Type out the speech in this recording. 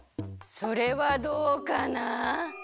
それはどうかな？